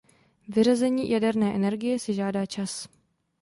Vyřazení jaderné energie si žádá čas.